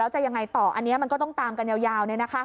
จะยังไงต่ออันนี้มันก็ต้องตามกันยาว